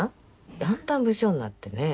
だんだん無精になってね。